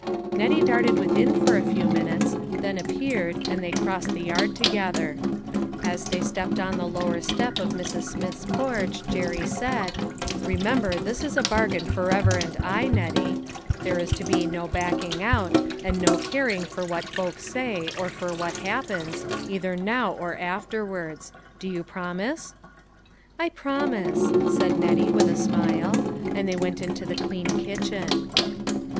Nettie darted within for a few minutes,'then appeared, and they crossed the yard together. As they stepped on the lower step of Mrs. Smith's porch, Jerry said :" Remember this is a bargain forever and aye, Nettie ; there is to be no backing out, and no caring for what folks say, or for what happens, either now or after wards. Do you promise ?"" I promise," said Nettie with a smile. And they went into the clean kitchen.